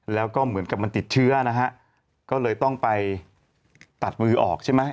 แล้วก็เหมือนกับมันติดเชื้อนะฮะก็เลยต้องไปตัดมือออกใช่ไหม